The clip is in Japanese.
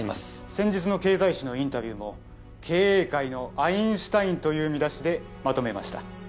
先日の経済誌のインタビューも経営界のアインシュタインという見出しでまとめました